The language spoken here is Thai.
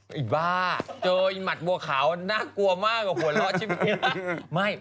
ไอ้บ้าเจอหมัดบัวขาวน่ากลัวมากกว่าหัวเราะใช่ไหม